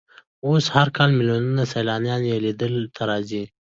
اوس هر کال ملیونونه سیلانیان یې لیدو ته راځي.